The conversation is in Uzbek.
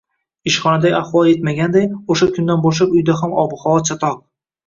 Ishxonadagi ahvol yetmaganday, o'sha kundan boshlab uyda ham ob-havo chatoq